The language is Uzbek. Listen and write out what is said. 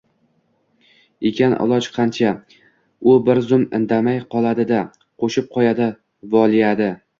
ekan, iloj qancha? — U bir zum indamay qoladi-da, qo'shib qo'yadi: — Volidai